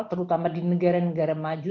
terutama di negara negara maju